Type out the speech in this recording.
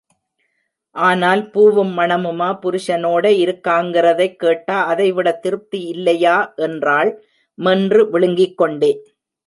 ஆனால் பூவும் மணமுமா, புருஷனோடே இருக்காங்கிறதைக் கேட்டா அதைவிடத் திருப்தி இல்லையா? என்றாள், மென்று விழுங்கிக் கொண்டே.